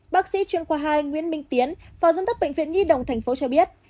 bác sĩ chuyên khoa hai nguyễn minh tiến phò dân tấp bệnh viện nhi đồng tp cho biết